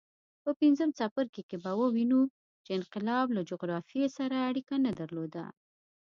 په پنځم څپرکي کې به ووینو چې انقلاب له جغرافیې سره اړیکه نه درلوده.